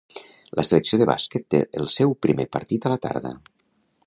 La selecció de bàsquet té el seu primer partit a la tarda.